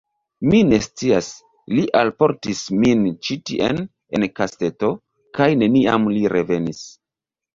Mi ne scias; li alportis min ĉi tien en kesteto, kaj neniam li revenis...